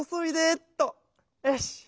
よし。